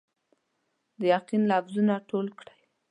د یقین لفظونه ټول کړئ